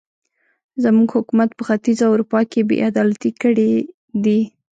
زموږ حکومت په ختیځه اروپا کې بې عدالتۍ کړې دي.